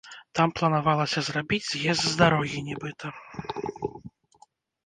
Там планавалася зрабіць з'езд з дарогі нібыта.